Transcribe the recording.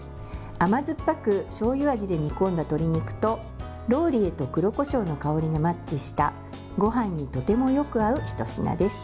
甘酸っぱくしょうゆ味で煮込んだ鶏肉とローリエと黒こしょうの香りがマッチしたごはんにとてもよく合うひと品です。